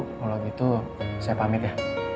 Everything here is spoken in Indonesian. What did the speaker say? kalau gitu saya pamit ya